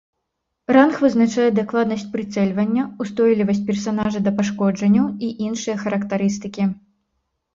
Ранг вызначае дакладнасць прыцэльвання, ўстойлівасць персанажа да пашкоджанняў і іншыя характарыстыкі.